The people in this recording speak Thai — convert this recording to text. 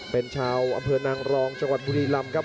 เป็นชาวอำเภอนางรองจังหวัดบุรีลำครับ